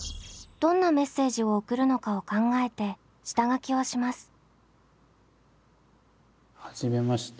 どんなメッセージを送るのかを考えて下書きをします。